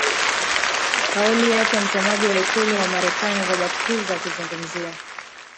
aa kauli yake msemaji wa ikulu wa marekani robert kibs akizungumzia